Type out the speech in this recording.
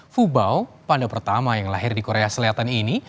fubau panda pertama yang lahir di korea selatan ini